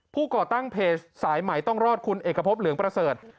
ก่อตั้งเพจสายใหม่ต้องรอดคุณเอกพบเหลืองประเสริฐ